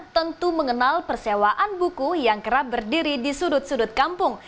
tentu mengenal persewaan buku yang kerap berdiri di sudut sudut kampung